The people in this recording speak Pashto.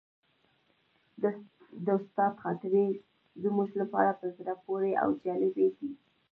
د استاد خاطرې زموږ لپاره په زړه پورې او جالبې دي.